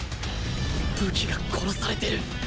武器が殺されてる